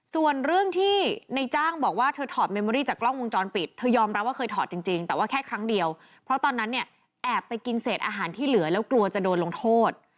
ส่วนเรื่องที่ในจ้างบอกว่าเธอถอดเมมอรี่จากกล้องวงจรปิดเธอยอมรับว่าเคยถอดจริงแต่ว่าแค่ครั้งเดียวเพราะตอนนั้นเนี่ยแอบไปกินเศษอาหารที่เหลือแล้วกลัวจะโดนลงโทษ